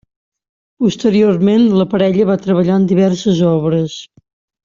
Posteriorment, la parella va treballar en diverses obres.